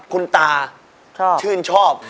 คุณตาชื่นชอบ